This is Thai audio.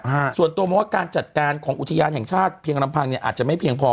ส่วนตัวมองว่าการจัดการของอุทยานแห่งชาติเพียงลำพังเนี่ยอาจจะไม่เพียงพอ